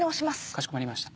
かしこまりました。